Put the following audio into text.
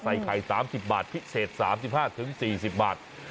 ใส่ไข่๓๐บาทพิเศษ๓๕๔๐บาท